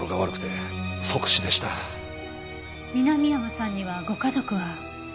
南山さんにはご家族は？